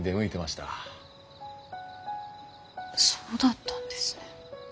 そうだったんですね。